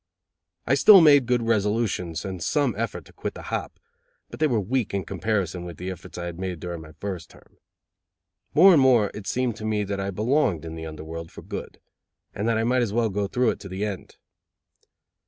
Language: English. I still made good resolutions, and some effort to quit the hop, but they were weak in comparison with the efforts I had made during my first term. More and more it seemed to me that I belonged in the under world for good, and that I might as well go through it to the end.